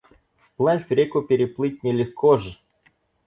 Вплавь реку переплыть не легко ж!